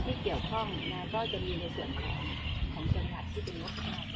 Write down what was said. ซึ่งจะมีมันมากขึ้นและก็จะท่านก็จะมีความเมียงของเชิงสุขของเธอ